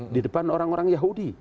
di depan orang orang yahudi